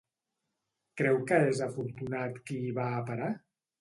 Creu que és afortunat qui hi va a parar?